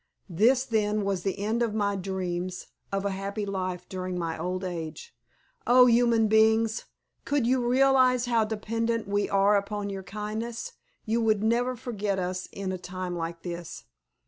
This, then, was the end of my dreams of a happy life during my old age. Oh, human beings! Could you realize how dependent we are upon your kindness, you would never forget us in a time like this.